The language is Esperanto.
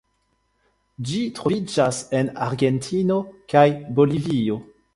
Ĝi troviĝas en Argentino kaj Bolivio.